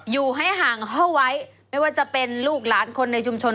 อยู่ให้ห่างเข้าไว้ไม่ว่าจะเป็นลูกหลานคนในชุมชน